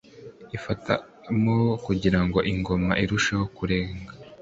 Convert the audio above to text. ifatamo kugirango ingoma irusheho kurega.